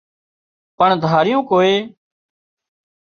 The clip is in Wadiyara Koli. پڻ ڌاريون ڪوئي